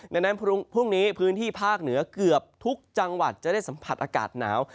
ดังนั้นพรุ่งนี้พื้นที่ภาคเหนือเกือบทุกจังหวัดจะได้สัมผัสอากาศหนาว